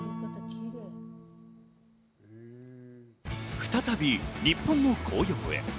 再び日本の紅葉へ。